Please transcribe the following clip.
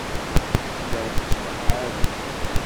Llant ttwaḥeṛṛent.